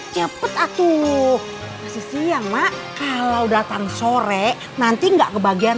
cepet atul masih siang mak kalau datang sore nanti gak kebagian